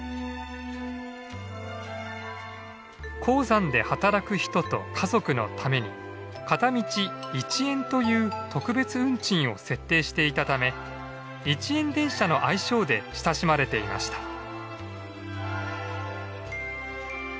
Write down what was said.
鉱山で働く人と家族のために片道１円という特別運賃を設定していたため「一円電車」の愛称で親しまれていました。